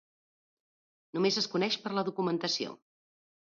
Només es coneix per la documentació.